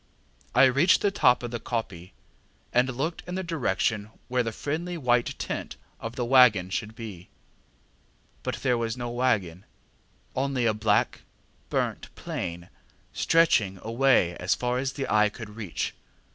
I reached the top of the koppie, and looked in the direction where the friendly white tent of the waggon should be, but there was no waggon, only a black burnt plain stretching away as far as the eye could reach.